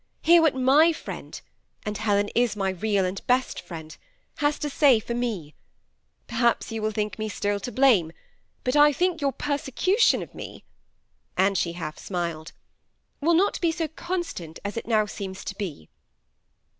Hear what my friend, and Helen is mj real and best friend, has to say for me. Perhaps jou will still think me to blame ; bat I think your per secution of me," and she half smiled, ^ will not be so con stant as it now seems to be."